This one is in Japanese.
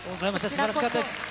すばらしかったです。